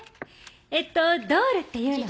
えっとドールっていうのは。